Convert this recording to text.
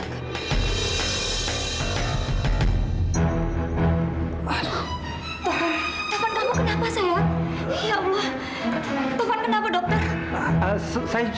tuhan kenapa dokter